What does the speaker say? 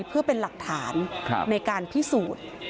เพื่อเป็นหลักฐานในการพิสูจน์